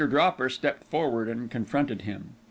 Dropper stepped forward and confronted him.